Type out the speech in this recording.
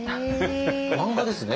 漫画ですね？